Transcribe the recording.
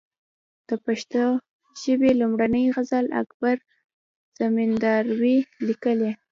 د پښتو ژبي لومړنۍ غزل اکبر زمینداوري ليکلې